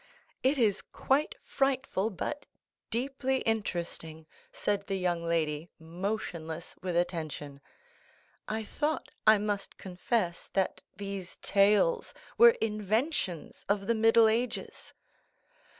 "It is quite frightful, but deeply interesting," said the young lady, motionless with attention. "I thought, I must confess, that these tales, were inventions of the Middle Ages."